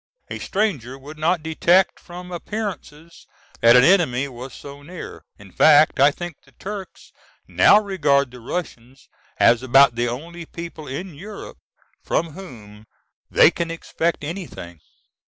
A stranger would not detect from appearances that an enemy was so near. In fact I think the Turks now regard the Russians as about the only people in Europe from whom they can expect anything.